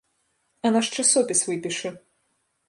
А наш часопіс выпішы!